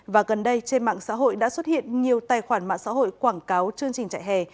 và gần đây trên mạng xã hội đã xuất hiện nhiều tài khoản mạng xã hội quảng cáo chương trình trại hè